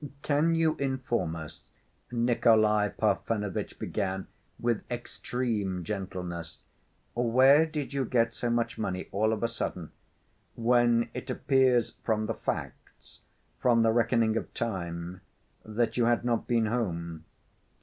Can you inform us," Nikolay Parfenovitch began, with extreme gentleness, "where did you get so much money all of a sudden, when it appears from the facts, from the reckoning of time, that you had not been home?"